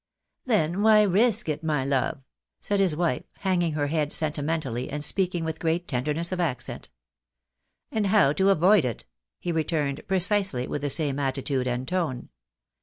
" Then why risk it, my love ?" said his wife, hanging her head sentimentally, and speaking with great tenderness of accent. " And how avoid it ?" he returned, precisely with the same attitude and tone.